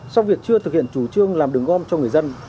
sau việc chưa thực hiện chủ trương làm đường ngom cho người dân